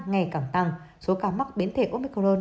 ngày càng tăng số ca mắc biến thể omicron